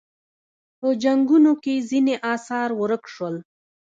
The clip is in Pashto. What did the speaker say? په جنګونو کې ځینې اثار ورک شول